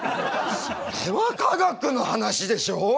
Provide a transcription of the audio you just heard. それは化学の話でしょ！